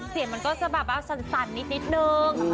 เสียงมันก็จะแบบสั่นนิดนึง